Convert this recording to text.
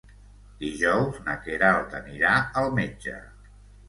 Dijous na Queralt anirà al metge.